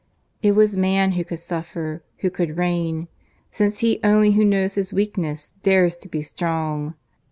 It was man who could suffer, who could reign; since he only who knows his weakness, dares to be strong.